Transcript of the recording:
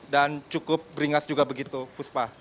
cukup beringas juga begitu puspa